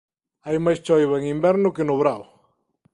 Hai máis chuvia en inverno que no verán.